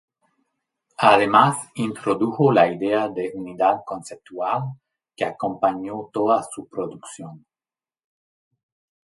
Además, introdujo la idea de unidad conceptual que acompañó toda su producción.